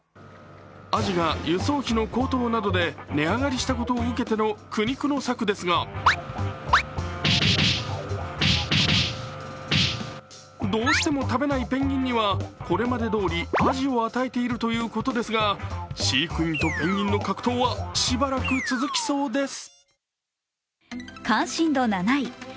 あじが輸送費の高騰などで値上がりしたことを受けての苦肉の策ですがどうしても食べないペンギンにはこれまでどおりあじを与えているということですが飼育員とペンギンの格闘はしばらく続きそうです。